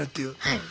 はい。